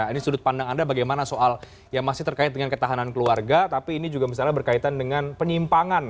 ini sudut pandang anda bagaimana soal yang masih terkait dengan ketahanan keluarga tapi ini juga misalnya berkaitan dengan penyimpangan